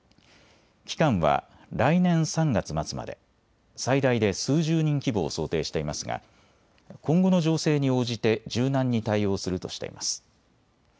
期間は来年３月末まで、最大で数十人規模を想定していますが今後の情勢に応じて柔軟に対応するとしています。